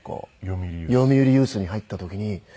読売ユースに入った時に。